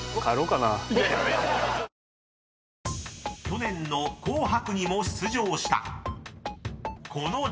［去年の『紅白』にも出場したこの女優］